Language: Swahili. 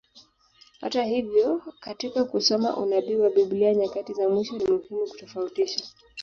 Hata hivyo, katika kusoma unabii wa Biblia nyakati za mwisho, ni muhimu kutofautisha.